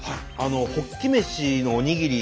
ホッキ飯のおにぎり。